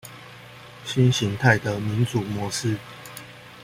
新型態的民主模式